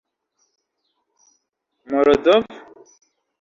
Morozov?